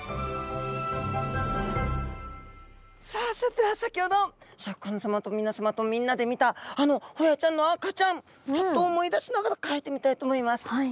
さあそれでは先ほどシャーク香音さまと皆さまとみんなで見たあのホヤちゃんの赤ちゃんちょっと思い出しながら描いてみたいと思います。